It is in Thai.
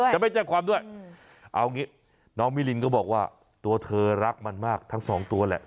จะไม่แจ้งความด้วยเอางี้น้องมิลินก็บอกว่าตัวเธอรักมันมากทั้งสองตัวแหละ